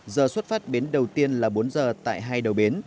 giờ xuất phát bến đầu tiên là bốn giờ tại hai đầu bến